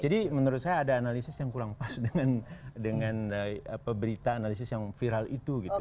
jadi menurut saya ada analisis yang kurang pas dengan dengan berita analisis yang viral itu gitu